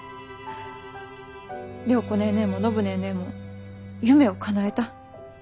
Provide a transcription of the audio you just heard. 良子ネーネーも暢ネーネーも夢をかなえた。